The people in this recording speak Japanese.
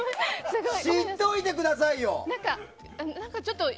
知っておいてくださいよ！